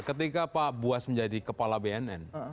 ketika pak buas menjadi kepala bnn